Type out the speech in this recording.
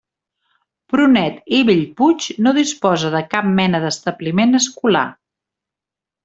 Prunet i Bellpuig no disposa de cap mena d'establiment escolar.